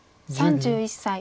３１歳。